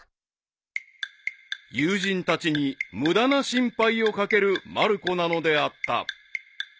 ［友人たちに無駄な心配を掛けるまる子なのであった］